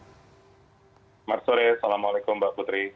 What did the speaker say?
selamat sore assalamualaikum mbak putri